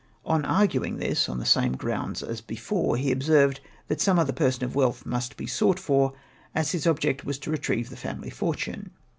On argumg this, on the same grounds as before, he observed that some other person of wealth must be sought for, as his object was to retrieve the family fortune.